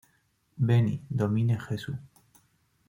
Veni, Domine Jesu!